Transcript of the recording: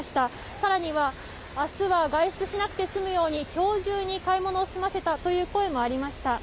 さらにはあすは外出しなくて済むように、きょう中に買い物を済ませたという声もありました。